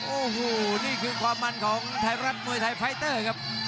โอ้โหนี่คือความมั่นของไทรัตชีมงานมวยไทรเฟรตเตอร์ครับ